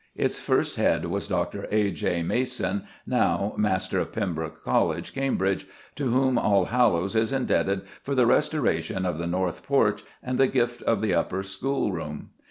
Its first Head was Dr. A. J. Mason, now Master of Pembroke College, Cambridge, to whom Allhallows is indebted for the restoration of the north porch and the gift of the upper schoolroom.